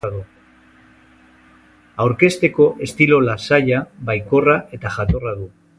Aurkezteko estilo lasaia, baikorra eta jatorra du.